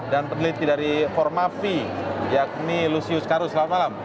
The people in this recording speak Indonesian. dan peneliti dari formavi yakni lusius karus selamat malam